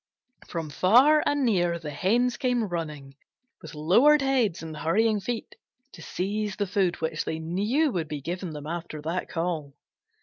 From far and near the Hens came running, with lowered heads and hurrying feet, to seize the food which they knew would be given them after that call.